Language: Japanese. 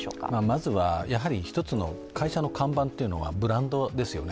まずはやはり１つの会社の看板というのはブランドですよね。